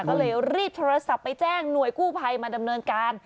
ก็เลยรีบโทรศัพท์ไปแจ้งหน่วยกู้ภัยมาดำเนินการ